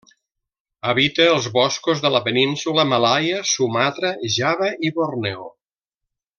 Habita els boscos de la Península Malaia, Sumatra, Java, i Borneo.